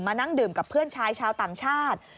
นั่งดื่มกับเพื่อนชายชาวต่างชาติ